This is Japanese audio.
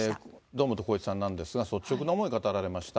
堂本光一さんなんですが、率直な思い語られました。